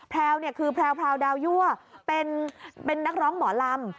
แพลวเนี่ยคือแพรวดาวยั่วเป็นนักร้องหมอลำ